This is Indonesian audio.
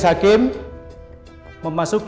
saya bisa nyamperin mereka